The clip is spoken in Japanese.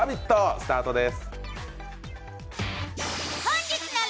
スタートです。